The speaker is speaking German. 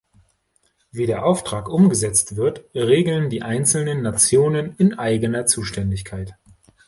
Wie der Auftrag umgesetzt wird, regeln die einzelnen Nationen in eigener Zuständigkeit.